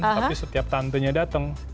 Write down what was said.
tapi setiap tantenya datang